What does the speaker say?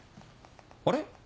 あれ？